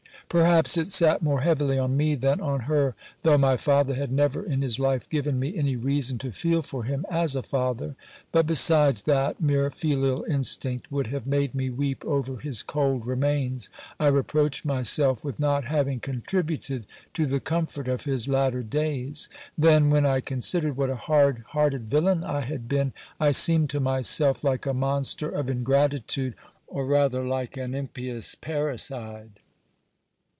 Perhaps it sat more heavily on me than on her, though my father had never in his life given me any reason to feel for him as a father. But besides that mere filial instinct would have made me weep over his cold remains, I reproached myself with not having contributed to the comfort of his latter days ; then, when I considered what a hard hearted villain I had been, I seemed to myself like a monster of ingratitude, or rather like an impious parricide.